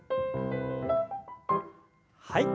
はい。